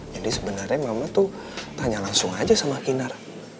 jadi sebenarnya mama tuh tanya langsung aja sama kinar